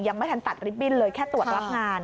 ยังไม่ทันตัดลิฟตบิ้นเลยแค่ตรวจรับงาน